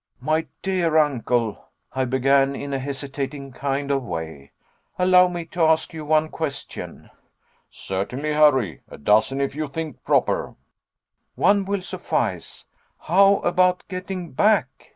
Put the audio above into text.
"My dear uncle," I began, in a hesitating kind of way, "allow me to ask you one question." "Certainly, Harry; a dozen if you think proper." "One will suffice. How about getting back?"